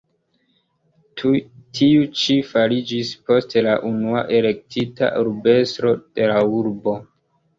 Tiu ĉi fariĝis poste la unua elektita urbestro de la urbo.